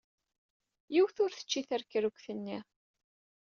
Yiwet ur tečči tarekrukt-nni.